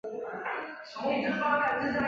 三好在畿内进入了全盛期。